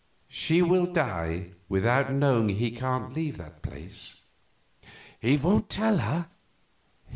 She will die without knowing he can't leave that place?" "He won't tell her?"